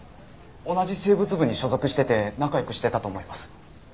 同じ生物部に所属してて仲良くしてたと思います。